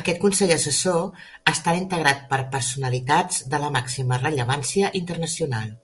Aquest Consell Assessor estarà integrat per personalitats de la màxima rellevància internacional.